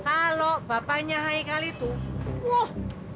kalau bapaknya hai kali tuh